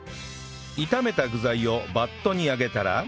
炒めた具材をバットに上げたら